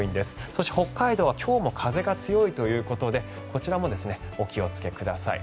そして北海道は今日も風が強いということでこちらもお気をつけください。